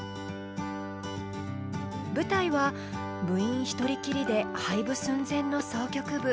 舞台は部員一人きりで廃部寸前の箏曲部。